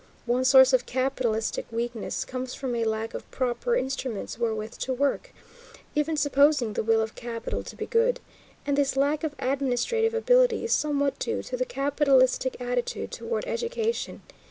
One source of capitalistic weakness comes from a lack of proper instruments wherewith to work, even supposing the will of capital to be good; and this lack of administrative ability is somewhat due to the capitalistic attitude toward education.